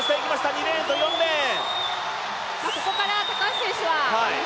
２レーンと４レーン。